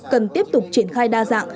cần tiếp tục triển khai đa dạng